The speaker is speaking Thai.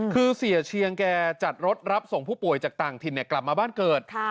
คือเสียเชียงแกจัดรถรับส่งผู้ป่วยจากต่างถิ่นกลับมาบ้านเกิด